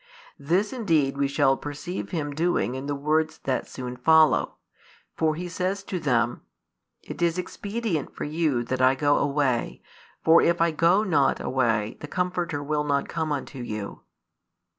This indeed we shall perceive Him doing in the words that soon follow; for He says to them: It is expedient for you that I go away: for if I go not away, the Comforter will not come unto you.